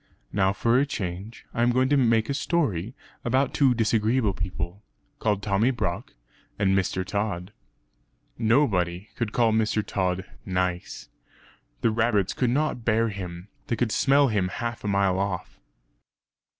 Now, for a change, I am going to make a story about two disagreeable people, called Tommy Brock and Mr. Tod. Nobody could call Mr. Tod "nice." The rabbits could not bear him; they could smell him half a mile off.